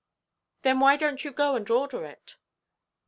"Then why donʼt you go and order it?"